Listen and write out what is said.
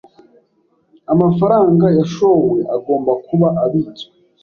Amafaranga yashowe agomba kuba abitswe